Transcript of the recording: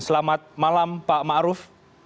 selamat malam pak ma'ruf